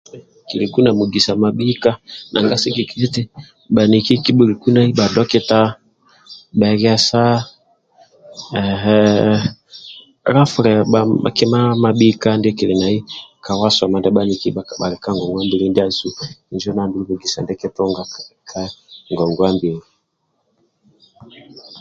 Kiliku na mugisa amabhika nanga sigikilia eti bhaniki kibhuliku nai bha Dokita, bheghesa, ee he lafule ma kima mabhika ndie kilinai kawasoma ndia bhaniki ndibhali ka ngongua mbili ndiasu injo nandulu mugisa ndie kitunga kawa soma ndia bhaniki ka ngongua mbili